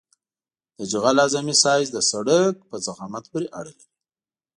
د جغل اعظمي سایز د سرک په ضخامت پورې اړه لري